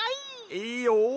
いいよ。